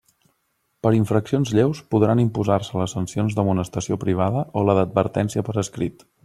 Per infraccions lleus podran imposar-se les sancions d'amonestació privada o la d'advertència per escrit.